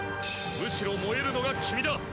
むしろ燃えるのが君だ。